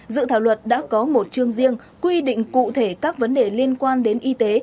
dự thảo luật đã có một chương riêng quy định cụ thể các vấn đề liên quan đến y tế